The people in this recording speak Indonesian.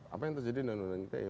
apa yang terjadi di undang undang ite